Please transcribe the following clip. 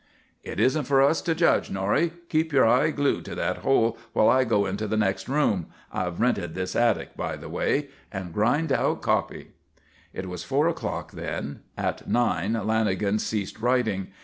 "It isn't for us to judge, Norrie. Keep your eye glued to that hole while I go into the next room I've rented this attic, by the way and grind out copy." It was four o'clock then; at nine Lanagan ceased writing.